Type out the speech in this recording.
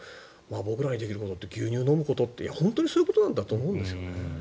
僕らにできることって牛乳飲むことって本当にそういうことなんだと思うんですよね。